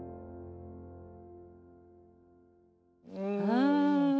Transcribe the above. うん。